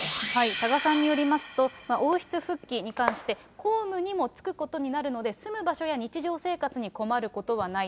多賀さんによりますと、王室復帰に関して、公務にも就くことになるので、住む場所や日常生活に困ることはない。